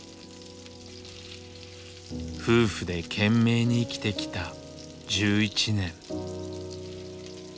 夫婦で懸命に生きてきた１１年。